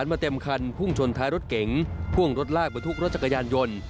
รถเก๋งพ่วงรถลากบนทุกรถจักรยานยนต์